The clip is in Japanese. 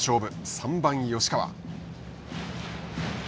３番吉川。